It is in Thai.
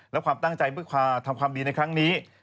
และความตั้งใจเพื่อทำความดีในครั้งนี้